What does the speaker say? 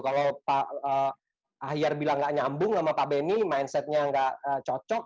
kalau pak ahyar bilang nggak nyambung sama pak beni mindsetnya nggak cocok